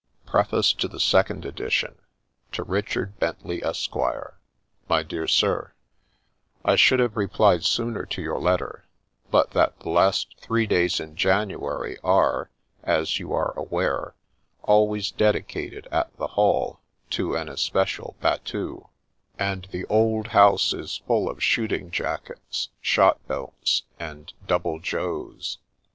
PREFACE TO THE SECOND EDITION TO RICHARD BENTLEY, ESQ. MY DEAE SIB, I SHOULD have replied sooner to your letter, but that the last three days in January are, as you are aware, always dedi cated at the Hall to an especial battue, and the old house is full of shooting jackets, shot belts, and ' double Joes.'